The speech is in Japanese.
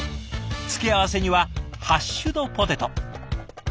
付け合わせにはハッシュドポテト。